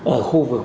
ở khu vực